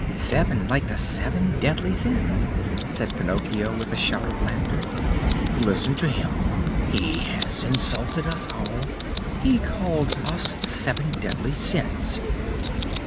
"Seven, like the seven deadly sins," said Pinocchio, with a shout of laughter. "Listen to him! He has insulted us all! He called us the seven deadly sins!"